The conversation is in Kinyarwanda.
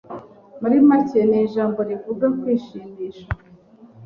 Muri make ni ijambo rivuga kwishimisha.